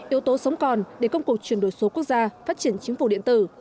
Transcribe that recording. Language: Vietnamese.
yếu tố sống còn để công cuộc chuyển đổi số quốc gia phát triển chính phủ điện tử